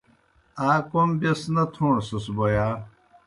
آ کوْم بیْس نہ تھوݨسَس بوْ ہا؟